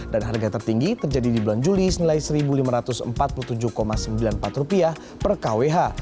dan harga tertinggi terjadi di bulan juli senilai rp satu lima ratus empat puluh tujuh sembilan puluh empat per kwh